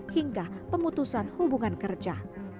hingga pemutusan hubungan kerja